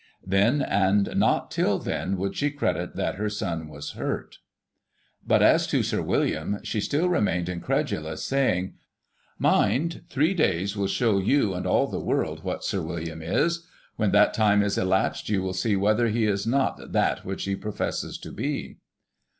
Then, and not till then, would she credit that her son was hurt But as to Sir William, she still remained incredulous, saying :* Mind, three days will show you and all the world what Sir William is. When that time is elapsed, you will see whether he is not that which he professes to be.'